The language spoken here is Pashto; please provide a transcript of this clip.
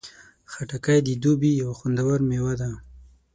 خټکی د دوبی یو خوندور میوه ده.